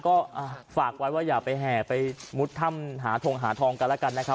ก็ฝากไว้ว่าอย่าไปแห่ไปมุดถ้ำหาทงหาทองกันแล้วกันนะครับ